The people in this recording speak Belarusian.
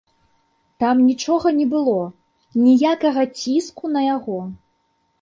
Там нічога не было, ніякага ціску на яго.